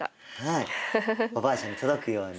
はいおばあちゃんに届くように。